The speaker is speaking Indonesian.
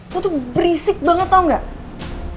aku tuh berisik banget tau gak